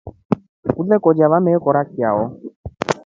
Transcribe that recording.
Ulekolya vamekora chao.